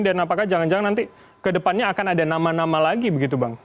dan apakah jangan jangan nanti ke depannya akan ada nama nama lagi begitu bang